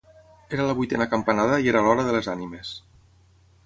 Era la vuitena campanada i era l'hora de les ànimes.